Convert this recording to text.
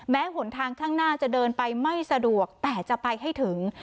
หนทางข้างหน้าจะเดินไปไม่สะดวกแต่จะไปให้ถึง